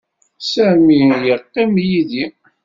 Sami yeqqim yid-i.